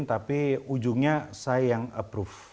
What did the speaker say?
tapi ujungnya saya yang approve